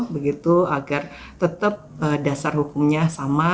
begitu agar tetap dasar hukumnya sama